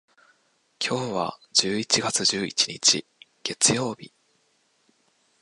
今日は十一月十一日、月曜日。